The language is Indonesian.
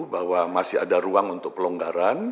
bahwa masih ada ruang untuk pelonggaran